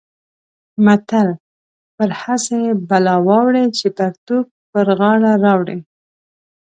متل: پر هسې بلا واوړې چې پرتوګ پر غاړه راوړې.